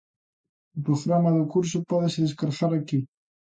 O programa do curso pódese descargar aquí.